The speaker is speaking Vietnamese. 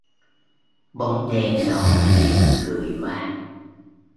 bóng đen đó liền cười vang